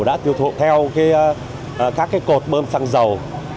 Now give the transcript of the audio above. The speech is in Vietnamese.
đã tiêu thụ theo các cột bâm xăng dầu